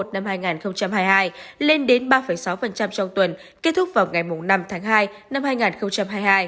năm hai nghìn hai mươi hai lên đến ba sáu trong tuần kết thúc vào ngày năm tháng hai năm hai nghìn hai mươi hai